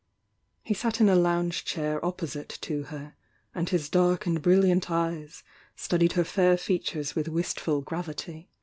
He sat in a lounge chair opposite to her, and his dark and brilliant eyes studied her fair features with wistful gravity.